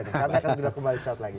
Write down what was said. karena akan kembali saat lain